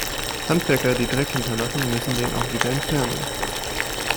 Handwerker, die Dreck hinterlassen, müssen den auch wieder entfernen.